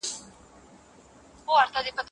خندا د غمونو لپاره ښه درمل دی.